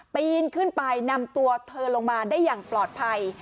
ปีนขึ้นไปนำตัวเธอลงมาได้อย่างปลอดภัย